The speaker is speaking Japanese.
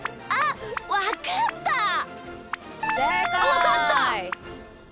わかった！